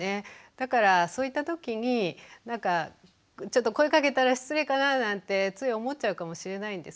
だからそういったときにちょっと声かけたら失礼かななんてつい思っちゃうかもしれないんですけれども